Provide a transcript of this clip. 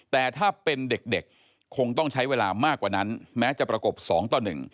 แต่ถ้าเป็นเด็กคงต้องใช้เวลามากกว่านั้นแม้จะประกบ๒ต่อ๑